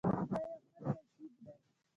دا یو ښه ترکیب دی.